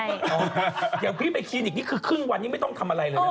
อย่างพี่ไปคลินิกนี่คือครึ่งวันนี้ไม่ต้องทำอะไรเลยนะ